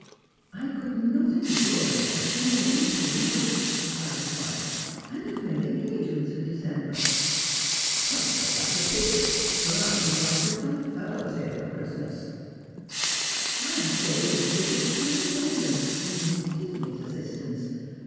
" I could not endure the place for more than two months," replied his wife, " and I have made engagements for December." " That's a pity ; for I have invited some feUowa here for Christmas." strangers and Pilgrims. 273 " I am sure you are at liberty to entei'tain them — with Miss Disney's assistance.